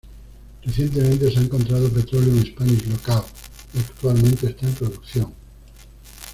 Recientemente se ha encontrado petróleo en Spanish Lookout y actualmente está en producción.